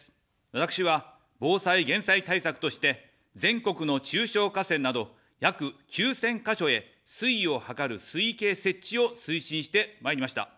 私は防災減災対策として、全国の中小河川など、約９０００か所へ水位を測る水位計設置を推進してまいりました。